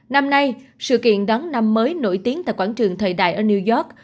năm nay sự kiện đón năm mới nổi tiếng tại quảng trường thời đại ở new york